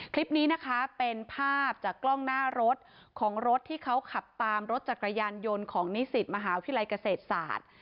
คลิปนี้นะคะเป็นภาพจากกล้องหน้ารถของรถที่เขาขับตามรถจักรยานยนต์ของนิสิตมหาวิทยาลัยเกษตรศาสตร์